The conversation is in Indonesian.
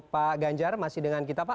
pak ganjar masih dengan kita pak